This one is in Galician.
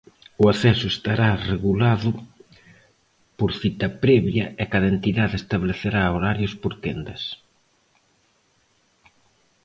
O acceso estará regulado por cita previa e cada entidade estabelecerá horarios por quendas.